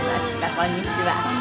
こんにちは。